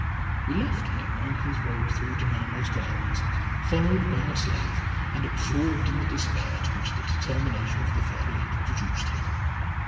We left him on his road through Danamo's gardens, followed by a slave, and absorbed in the despair to which the determination of the Fairy had reduced him.